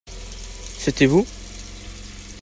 C'était vous ?